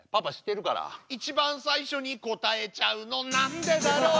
「一番最初に答えちゃうのなんでだろう」